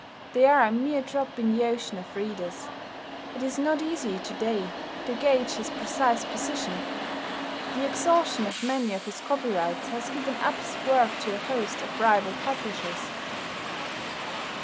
They are a mere drop in the ocean of readers. It is not easy to day to gauge his precise position. The exhaustion of many of his copyrights has given up his work to a host of rival publishers.